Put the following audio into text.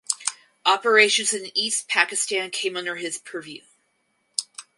Operations in East Pakistan came under his purview.